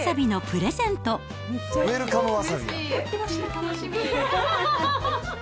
楽しみ。